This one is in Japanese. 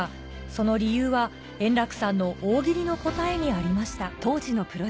その理由は、円楽さんの大喜利の答えにありました。